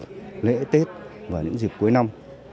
nhất là trong những dịp lễ tết và những dịp cuối năm